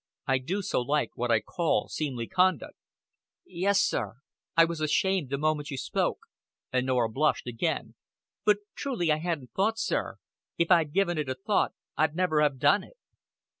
I do so like what I call seemly conduct." "Yes, sir. I was ashamed the moment you spoke;" and Norah blushed again. "But truly I hadn't thought, sir. If I'd given it a thought, I'd never have done it."